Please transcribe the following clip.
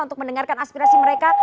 untuk mendengarkan aspirasi mereka